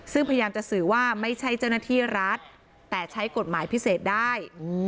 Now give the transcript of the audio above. ซึ่งพยายามจะสื่อว่าไม่ใช่เจ้าหน้าที่รัฐแต่ใช้กฎหมายพิเศษได้